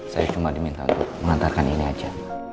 saya cuma diminta untuk mengantarkan ini aja